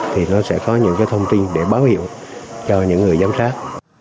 thì nó sẽ có những thông tin để báo hiệu cho những người giám sát